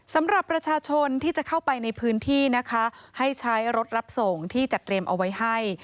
สำหรับประชาชนที่จะเข้าไปในพื้นที่นะคะให้ใช้รถรับส่งที่จัดเตรียมเอาไว้ให้